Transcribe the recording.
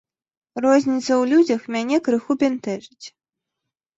Розніца ў людзях мяне крыху бянтэжыць.